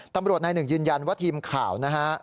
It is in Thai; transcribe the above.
ตำรวจนายหนึ่งยืนยันว่าทีมข่าวนะฮะ